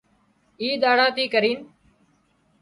اي ۮاڙا ٿي ڪرينَ